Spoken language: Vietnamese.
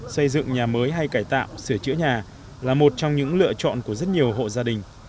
xây dựng nhà mới hay cải tạo sửa chữa nhà là một trong những lựa chọn của rất nhiều hộ gia đình